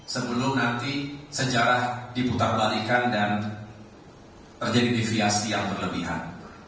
sebelum nanti sejarah diputar balikan dan terjadi deviasi yang berlebihan